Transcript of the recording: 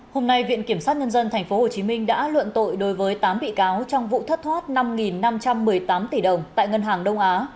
hôm nay viện kiểm sát nhân dân tp hcm đã luận tội đối với tám bị cáo trong vụ thất thoát năm năm trăm một mươi tám tỷ đồng tại ngân hàng đông á